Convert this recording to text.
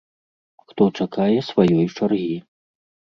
Хто чакае сваёй чаргі.